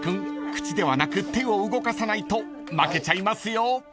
口ではなく手を動かさないと負けちゃいますよ］